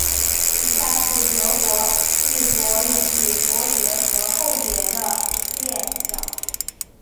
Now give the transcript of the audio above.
以下是德国利珀领地伯爵和侯爵的列表。